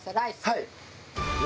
はい。